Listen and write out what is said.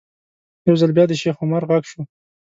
یو ځل بیا د شیخ عمر غږ شو.